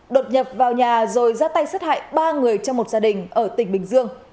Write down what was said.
đột nhập vào nhà rồi ra tay sát hại ba người trong một gia đình ở tỉnh bình dương